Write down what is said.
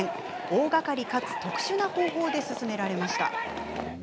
大がかりかつ特殊な方法で進められました。